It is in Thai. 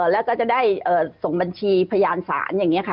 แล้วก็จะได้ส่งบัญชีพยานศาลอย่างนี้ค่ะ